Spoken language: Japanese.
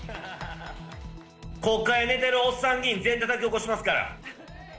国会で寝てるおっさん議員、全員たたき起こしますから。